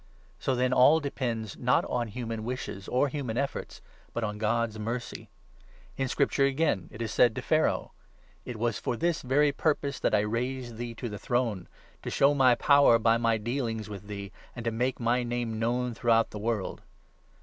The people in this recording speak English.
So, then, all depends, not on human wishes or human efforts, 16 but on God's mercy. In Scripture, again, it is said to Pharaoh — 17 ' It was for this very purpose that I raised thee to the throne, to show my power by my dealing's with thee, and to make my name known throughout the world.'